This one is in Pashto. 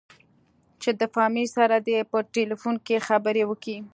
چې د فاميل سره دې په ټېلفون کښې خبرې وکې.